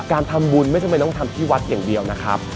การทำบุญไม่จำเป็นต้องทำที่วัดอย่างเดียวนะครับ